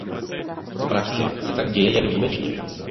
V praxi se tak děje jen výjimečně.